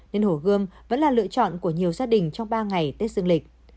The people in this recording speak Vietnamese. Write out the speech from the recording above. nên hồ gươm vẫn là lựa chọn của nhiều gia đình trong ba ngày tết dương lịch